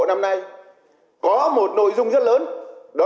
nam không đưa lên chỗ